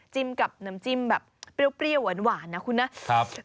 กับน้ำจิ้มแบบเปรี้ยวหวานนะคุณนะ